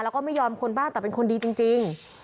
แล้วก็ไม่ยอมคนบ้านแต่เป็นคนดีจริง